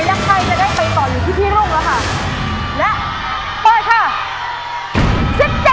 อย่างใครจะได้ไปต่ออยู่ที่พี่รุ้งนะคะ